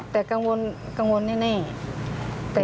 แต่กังวลแน่